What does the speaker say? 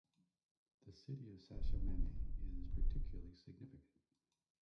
The city of Shashamane is particularly significant.